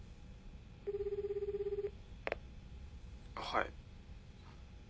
はい。